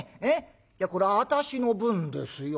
いやこれ私の分ですよ。